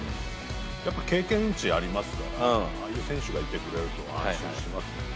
やっぱ経験値ありますから、ああいう選手がいてくれると、安心しますね。